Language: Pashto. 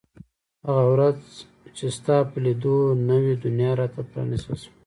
هغه ورځ چې ستا په لیدو نوې دنیا را ته پرانیستل شوه.